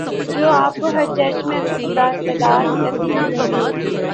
جو آپ کو ہر چرچ میں بتعداد کثیر ملیں گے